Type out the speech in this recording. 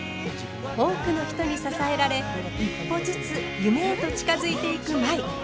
多くの人に支えられ一歩ずつ夢へと近づいていく舞。